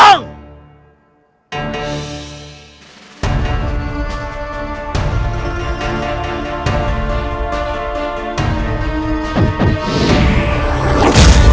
jangan lupa like share dan subscribe yaa